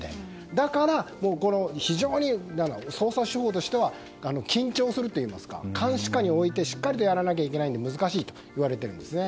だから非常に捜査手法としては緊張するといいますか監視下に置いてしっかりやらないといけないので難しいといわれているんです。